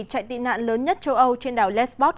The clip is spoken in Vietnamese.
chạy tị nạn lớn nhất châu âu trên đảo lesbot